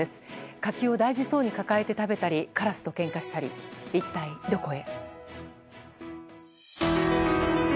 柿を大事そうに抱えて食べたりカラスとけんかしたり一体、どこへ。